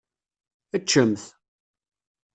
Ččemt.